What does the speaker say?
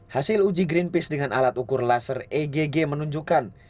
hasil uji greenpeace dengan alat ukur laser egg menunjukkan